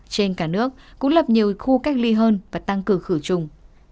trên cả nước cũng lập nhiều khu cách ly hơn và tăng cử khử chung